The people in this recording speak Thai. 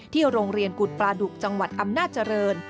โรงเรียนกุฎปลาดุจังหวัดอำนาจริง